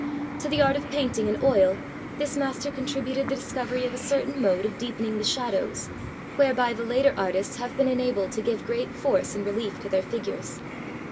To the art of painting in oil this master contributed the discovery of a certain mode of deepening the shadows, whereby the later artists have been enabled to give great force and relief to their figures.